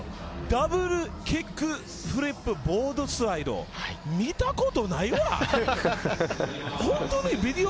ダブルキックフリップボードスライド、見たことないわ。